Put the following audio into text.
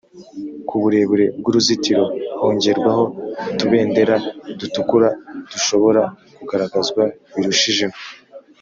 kuburebure bw’uruzitiro hongerwaho utubendera dutukura dushobora kugaragazwa birushijeho